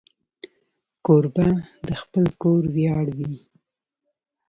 کوربه د خپل کور ویاړ وي.